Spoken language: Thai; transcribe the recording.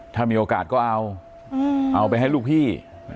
ถ้ามีโอกาสก็เอาเอาไปให้ลูกพี่